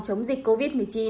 chống dịch covid một mươi chín